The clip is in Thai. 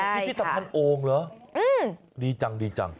พิธภัณฑ์โอ่งหรอดีจัง